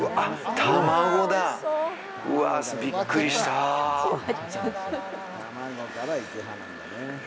卵から行く派なんだね。